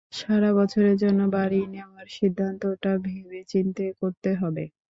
সারা বছরের জন্য বাড়ী নেওয়ার সিদ্ধান্তটা ভেবে-চিন্তে করতে হবে।